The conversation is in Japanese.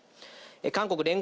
韓国聯合